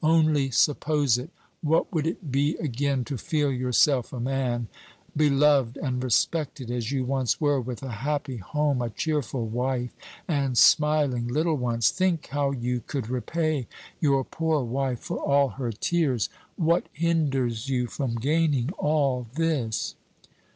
Only suppose it. What would it be again to feel yourself a man, beloved and respected as you once were, with a happy home, a cheerful wife, and smiling little ones? Think how you could repay your poor wife for all her tears! What hinders you from gaining all this?"